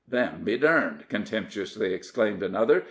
"Them be durned!" contemptuously exclaimed another.